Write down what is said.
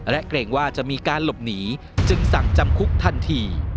และเกรงว่าจะมีการหลบหนีจึงสั่งจำคุกทันที